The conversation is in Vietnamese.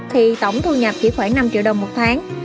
thì tổng thu nhập chỉ khoảng năm triệu đồng một tháng